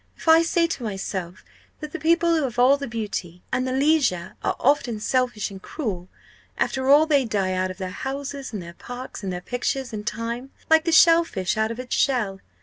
If I say to myself that the people who have all the beauty and the leisure are often selfish and cruel after all they die out of their houses and their parks, and their pictures, in time, like the shell fish out of its shell.